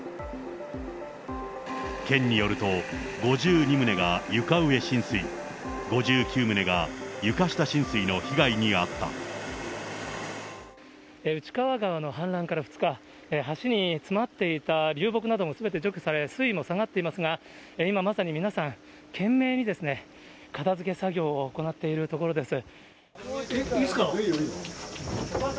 県によると、５２棟が床上浸水、内川川の氾濫から２日、橋に詰まっていた流木などもすべて除去され、水位も下がっていますが、今まさに皆さん、懸命に片づけ作業を行っているところです。